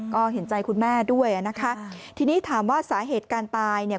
ก็เห็นใจคุณแม่ด้วยนะคะทีนี้ถามว่าสาเหตุการตายเนี่ย